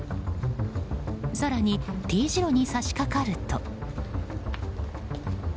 更に丁字路に差し掛かると。